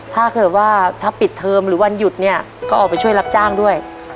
ถ้าเกิดว่าถ้าปิดเทอมหรือวันหยุดเนี่ยก็ออกไปช่วยรับจ้างด้วย